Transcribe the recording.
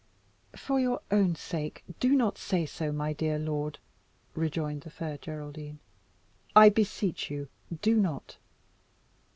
"For your own sake, do not say so, my dear lord," rejoined the Fair Geraldine; "I beseech you, do not.